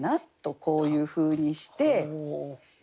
こういうふうにして。